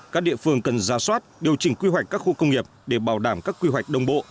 các địa phương cần ra soát điều chỉnh quy hoạch các khu công nghiệp để bảo đảm các quy hoạch đồng bộ